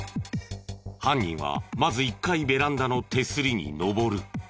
犯人はまず１階ベランダの手すりに登る。